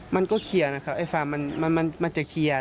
มันก็เคลียร์นะครับไอ้ฟาร์มมันจะเคลียร์